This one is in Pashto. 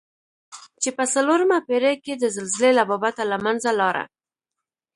چې په څلورمه پېړۍ کې د زلزلې له بابته له منځه لاړه.